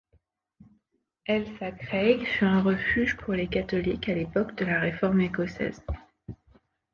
Ailsa Craig fut un refuge pour les catholiques à l'époque de la réforme écossaise.